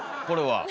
これは？